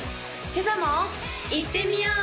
今朝もいってみよう！